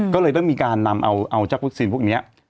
ก็เลยต้องมีการนำเอาจากวัคซีนพวกนี้